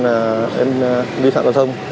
là em vi phạm giao thông